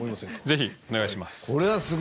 ぜひお願いします。